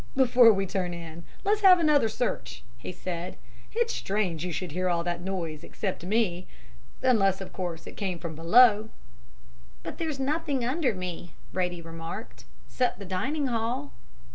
"'Before we turn in, let's have another search,' he said. 'It's strange you should all hear that noise except me unless, of course, it came from below.' "'But there's nothing under me,' Brady remarked, 'except the Dining Hall.'